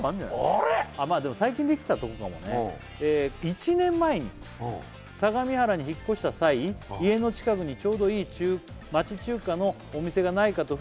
あれっ？でも最近できたとこかもね「１年前に相模原に引っ越した際」「家の近くにちょうどいい町中華のお店がないかと」